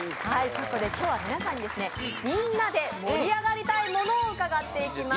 今日は皆さんにみんなで盛り上がりたいものを伺っていきます。